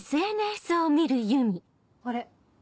あれ？